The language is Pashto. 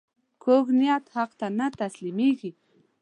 کوږ نیت حق ته نه تسلیمېږي